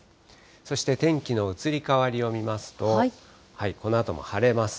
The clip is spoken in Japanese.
そして天気の移り変わりを見ますと、このあとも晴れます。